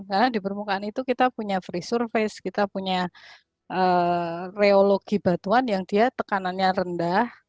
karena di permukaan itu kita punya free surface kita punya reologi batuan yang tekanannya rendah